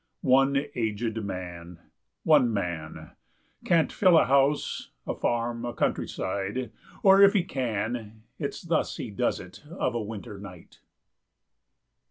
One aged man one man can't fill a house, A farm, a countryside, or if he can, It's thus he does it of a winter night.